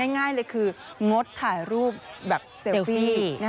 ง่ายเลยคืองดถ่ายรูปแบบเซลฟี่